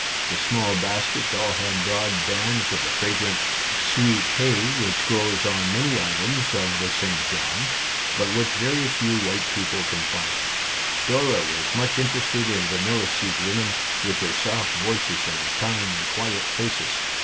The small baskets all had broad bands of the fragrant " sweet hay " which grows on many islands of the St. John, but which very few white people can find. Dora 38 Our Little Canadian Cousin was much interested in the Milicete women, with their soft voices and kind, quiet faces.